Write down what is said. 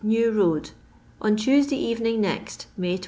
NEW ROAD, On Tuesday Eecmng nextf May 87.